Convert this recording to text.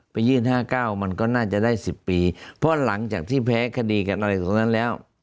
ยื่น๕๙มันก็น่าจะได้๑๐ปีเพราะหลังจากที่แพ้คดีกันอะไรตรงนั้นแล้ว